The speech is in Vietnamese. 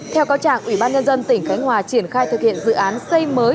theo cáo trạng ủy ban nhân dân tỉnh khánh hòa triển khai thực hiện dự án xây mới